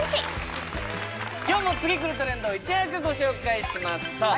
今日も次くるトレンドをいち早くご紹介しますさあ